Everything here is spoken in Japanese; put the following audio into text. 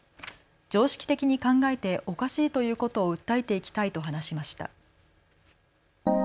常識的に考えておかしいということを訴えていきたいと話しました。